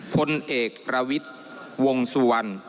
พลเอกประวิทย์วงสุวรรณ